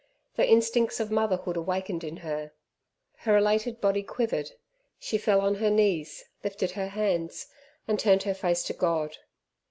The instincts of motherhood awakened in her. Her elated body quivered, she fell on her knees, lifted her hands, and turned her face to God.